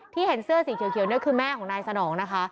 เห็นเสื้อสีเขียวนี่คือแม่ของนายสนองนะคะ